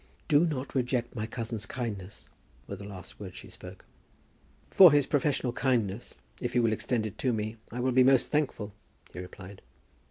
"Do not reject my cousin's kindness," were the last words she spoke. "For his professional kindness, if he will extend it to me, I will be most thankful," he replied.